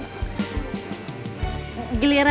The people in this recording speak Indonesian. nama itu apa